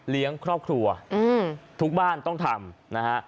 ครอบครัวทุกบ้านต้องทำนะฮะ